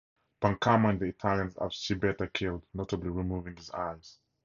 Enraged, Pancamo and the Italians have Schibetta killed, notably removing his eye.